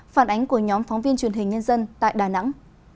phản ánh của nhóm phóng viên truyền hình nhân dân tại đà nẵng